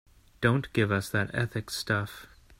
Don't give us that ethics stuff.